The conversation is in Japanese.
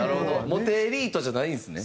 モテエリートじゃないんですね。